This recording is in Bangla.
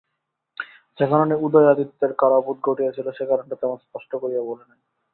যে কারণে উদয় আদিত্যের কারারোধ ঘটিয়াছিল, সে কারণটা তেমন স্পষ্ট করিয়া বলে নাই।